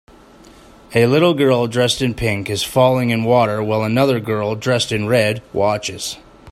A little girl dressed in pink is falling in water while another girl dressed in red watches.